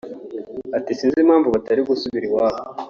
Ati “Sinzi impamvu batari gusubira iwabo